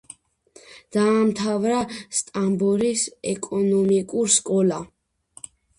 დაამთავრა სტამბოლის ეკონომიკური სკოლა.